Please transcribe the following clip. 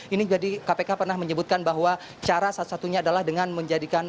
ini jadi kpk pernah menyebutkan bahwa cara satu satunya adalah dengan menjadikan